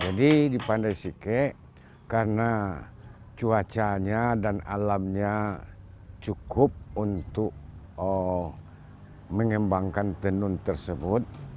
jadi dipandai sikit karena cuacanya dan alamnya cukup untuk mengembangkan tenun tersebut